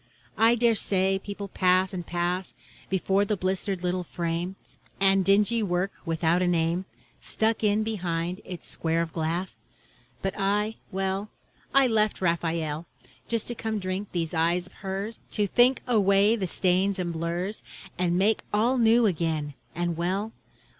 I dare say people pass and pass Before the blistered little frame, And dingy work without a name Stuck in behind its square of glass. But I, well, I left Raphael Just to come drink these eyes of hers, To think away the stains and blurs And make all new again and well.